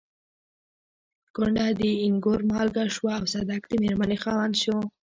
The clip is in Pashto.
کونډه د اينګور مالکه شوه او صدک د مېرمنې خاوند شو.